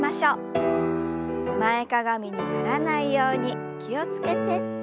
前かがみにならないように気を付けて。